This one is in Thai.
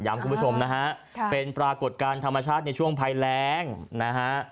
คุณผู้ชมนะฮะเป็นปรากฏการณ์ธรรมชาติในช่วงภัยแรงนะฮะ